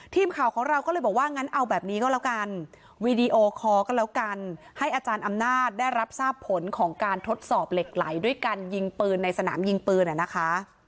ทีมข่าวของเราก็เลยบอกว่างั้นเอาแบบนี้ก็แล้วกันวีดีโอคอร์ก็แล้วกันให้อาจารย์อำนาจได้รับทราบผลของการทดสอบเหล็กไหลด้วยการยิงปืนในสนามยิงปืนอ่ะนะคะ